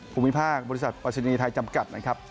ภูมิภาคบริษัทปรัชนีไทยจำกัดนะครับ